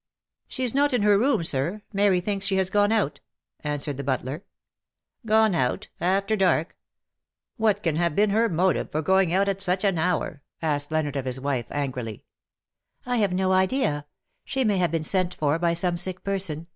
" She is not in her room, Sir. Mary thinks she has gone out," answered the butler. " Gone out — after dark. What can have been ''yours on MONDAY, GOD's TO DAY." 31 her motive for going oat at such an hour V^ asked Leonard of his wife, angrily. "I have no idea. She may have been sent for by some sick person.